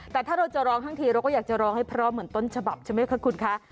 แต่ถ้าเราจะร้องทั้งทีเราก็อยากจะร้องให้พร้อมเหมือนต้นฉบับใช่ไหมคะคุณคะ